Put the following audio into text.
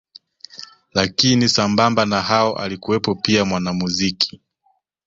Lakini sambamba na hao alikuweo pia mwanamuziki